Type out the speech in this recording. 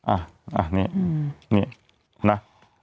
อ่ะอ่ะนี่นี่นะ